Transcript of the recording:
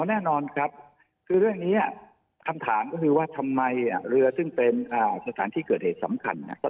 แน่นอนครับคือเรื่องนี้คำถามก็คือว่าทำไมเรือซึ่งเป็นสถานที่เกิดเหตุสำคัญนะครับ